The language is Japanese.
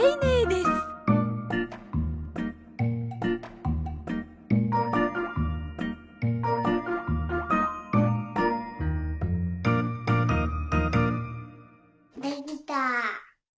できた！